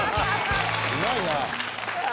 うまいなあ。